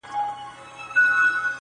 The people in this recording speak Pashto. موضوعات ونه پالي